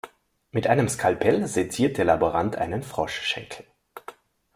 Mit einem Skalpell seziert der Laborant einen Froschschenkel.